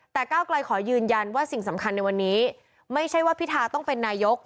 แต่ก้าวไกลขอยืนยันว่าสิ่งสำคัญในวันนี้ไม่ใช่ว่าพิทาต้องเป็นนายก